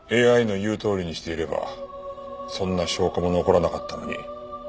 ＡＩの言うとおりにしていればそんな証拠も残らなかったのに。